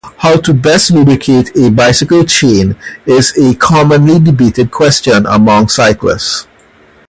How best to lubricate a bicycle chain is a commonly debated question among cyclists.